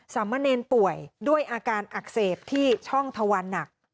มะเนรป่วยด้วยอาการอักเสบที่ช่องทวันหนัก